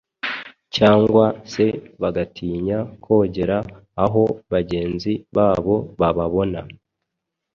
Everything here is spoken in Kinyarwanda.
cyangwa se bagatinya kogera aho bagenzi babo bababona